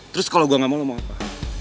terus kalau gue gak mau lo mau apa